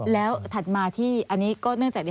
แล้วถัดมาที่อันนี้ก็เนื่องจาก